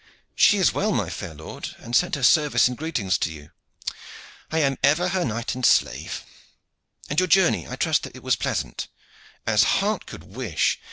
"She was well, my fair lord, and sent her service and greetings to you." "I am ever her knight and slave. And your journey, I trust that it was pleasant?" "As heart could wish.